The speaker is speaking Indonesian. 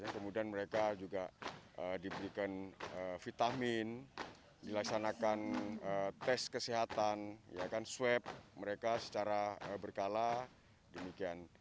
kemudian mereka juga diberikan vitamin dilaksanakan tes kesehatan swab mereka secara berkala demikian